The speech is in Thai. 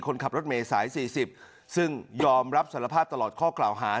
คนขับรถเมย์สาย๔๐ซึ่งยอมรับสารภาพตลอดข้อกล่าวหา